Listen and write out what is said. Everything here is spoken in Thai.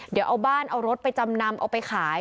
เดี๋ยวเอาบ้านเอารถไปจำนำเอาไปขาย